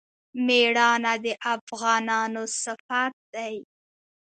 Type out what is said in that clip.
میړانه د افغانانو صفت دی.